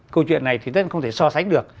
câu chuyện này thì tất nhiên không thể so sánh được